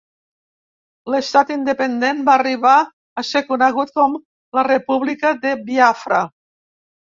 L'estat independent va arribar a ser conegut com la República de Biafra.